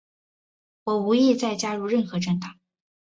我无意再加入任何政党。